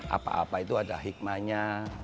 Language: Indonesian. apa apa itu ada hikmahnya